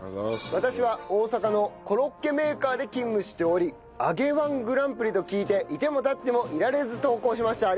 私は大阪のコロッケメーカーで勤務しており揚げ−１グランプリと聞いていてもたってもいられず投稿しました。